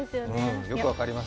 よく分かります。